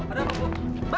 ada apa bu